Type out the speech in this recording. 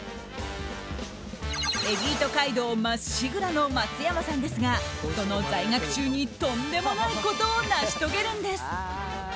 エリート街道まっしぐらの松山さんですがその在学中にとんでもないことを成し遂げるんです。